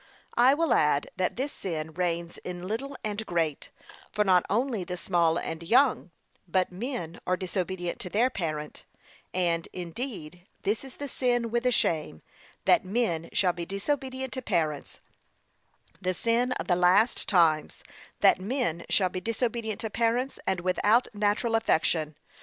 I will add, that this sin reigns in little and great, for not only the small and young, but men, are disobedient to their parent; and indeed, this is the sin with a shame, that men shall be disobedient to parents; the sin of the last times, that men shall be 'disobedient to parents,' and 'without natural affection.'